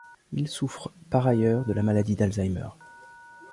Il souffre par ailleurs de la maladie d'Alzheimer.